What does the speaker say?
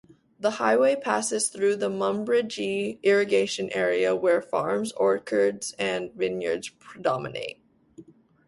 The highway passes through the Murrumbidgee Irrigation Area where farms, orchards and vineyards predominate.